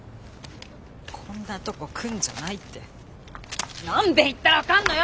こんなとこ来んじゃないって何べん言ったら分かんのよ！